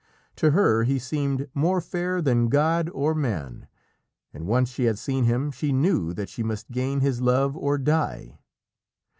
To her he seemed more fair than god or man, and once she had seen him she knew that she must gain his love or die.